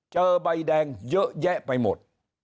ใบแดงเยอะแยะไปหมด